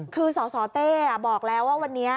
คือสสเต้บอกแล้วว่าวันนี้